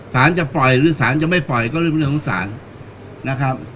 จะปล่อยหรือสารจะไม่ปล่อยก็เรื่องของศาลนะครับ